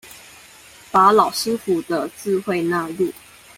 把老師傅的智慧納入